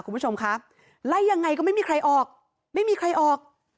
คุณผู้ชมคะไล่ยังไงก็ไม่มีใครออกไม่มีใครออก